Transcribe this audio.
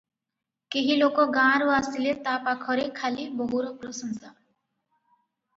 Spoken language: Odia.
କେହି ଲୋକ ଗାଁରୁ ଆସିଲେ ତା ପାଖରେ ଖାଲି ବୋହୁର ପ୍ରଶଂସା ।